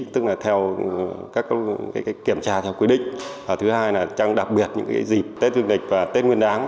thứ hai là trong đặc biệt những dịp tết dương dịch và tết nguyên đáng